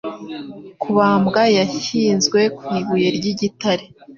Kubambwa yashyizwe ku ibuye ryigitare